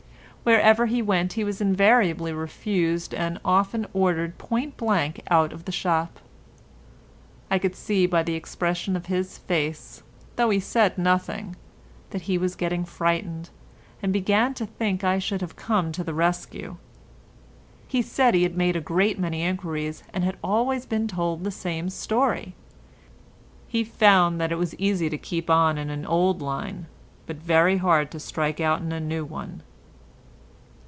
Wherever he went he was invariably refused and often ordered point blank out of the shop; I could see by the expression of his face, though he said nothing, that he was getting frightened, and began to think I should have to come to the rescue. He said he had made a great many enquiries and had always been told the same story. He found that it was easy to keep on in an old line, but very hard to strike out into a new one.